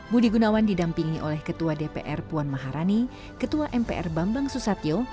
budi gunawan didampingi oleh ketua dpr puan maharani ketua mpr bambang susatyo